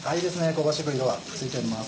香ばしく色がついています。